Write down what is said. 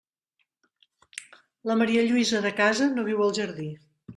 La marialluïsa de casa no viu al jardí.